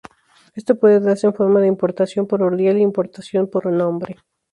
Esto puede darse en forma de importación por ordinal o importación por nombre.